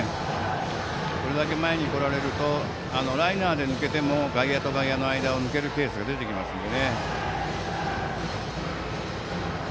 これだけ前に来られるとライナーで抜けても外野と外野の間を抜けるケースが出てきますので。